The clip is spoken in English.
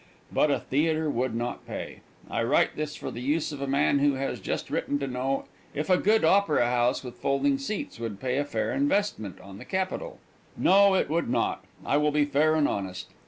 But a theater would not pay. I write this for the use of a man who has just written to know if a good opera house with folding seats would pay a fair investment on capital. No, it would not. I will be fair and honest.